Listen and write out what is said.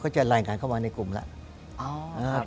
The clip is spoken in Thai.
ก็จะไลน์การเข้ามาในกลุ่มแล้วอ๋อ